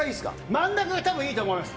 真ん中がたぶんいいと思います。